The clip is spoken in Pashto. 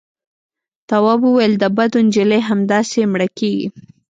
تواب وويل: د بدو نجلۍ همداسې مړه کېږي.